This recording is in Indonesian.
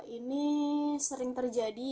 ini sering terjadi